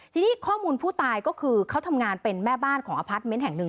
ทีนี้ข้อมูลผู้ตายก็คือเขาทำงานเป็นแม่บ้านของอพาร์ทเมนต์แห่งหนึ่ง